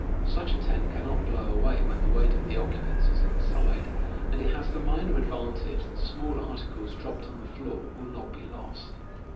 Such a tent cannot blow away when the weight of the occupants is inside, and it has the minor advantage that small articles dropped on the floor will not be lost.